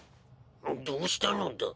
どうしたのだ？